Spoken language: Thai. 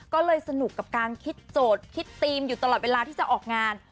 ก็เลยสนุกกับการคิดโจทย์คิดธีมอยู่ตลอดเวลาที่จะออกงาน